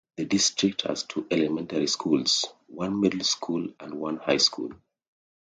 The district has two elementary schools, one middle school and one high school.